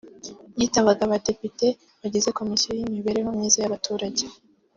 yitabaga Abadepite bagize komisiyo y’imibereho myiza y’abaturage